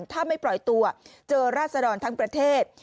ถ้าไม่ปล่อยตัวเจอราศดรทั้งประเทศ